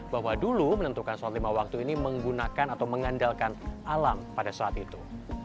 bahwa dulu menentukan sholat lima waktu ini menggunakan atau mengandalkan alam pada saat itu